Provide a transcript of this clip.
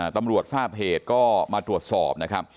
ตำรวจทราบเหตุก็มาตรวจสอบนะครับ